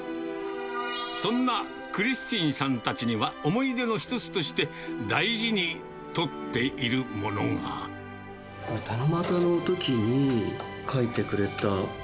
そんなクリスティンさんたちには、思い出の一つとして、七夕のときに書いてくれた。